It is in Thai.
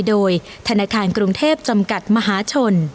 โดยธนาคารกรุงเทพจำกัดมหาชน